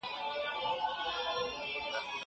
زه مخکي شګه پاکه کړې وه!